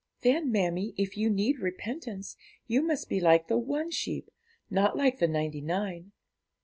'Then, mammie, if you need repentance, you must be like the one sheep, not like the ninety nine.'